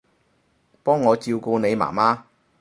幫我照顧你媽媽